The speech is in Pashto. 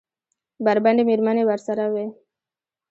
بربنډې مېرمنې ورسره وې؟